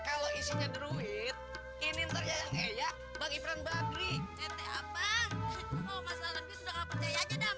kalau isinya druid ini terjaga ya bagi friend badri abang abang sudah